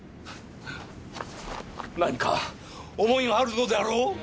何か思いがあるのであろう？